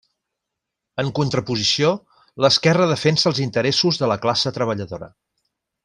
En contraposició, l'esquerra defensa els interessos de la classe treballadora.